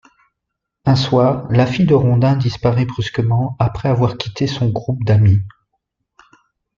Un soir, la fille de Rondin disparaît brusquement après avoir quitté son groupe d'amis.